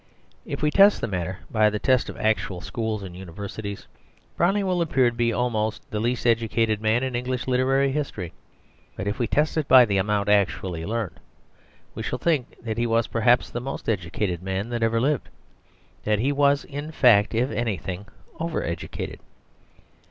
If we test the matter by the test of actual schools and universities, Browning will appear to be almost the least educated man in English literary history. But if we test it by the amount actually learned, we shall think that he was perhaps the most educated man that ever lived; that he was in fact, if anything, overeducated.